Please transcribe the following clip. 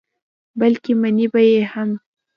بلکې منې به یې هم.